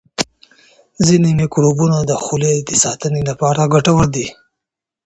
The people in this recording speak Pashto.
ځینې میکروبونه د خولې د ساتنې لپاره ګټور دي.